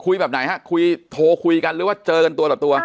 แบบไหนฮะคุยโทรคุยกันหรือว่าเจอกันตัวต่อตัว